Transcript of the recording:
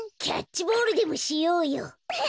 キャッチボールでもしようよ！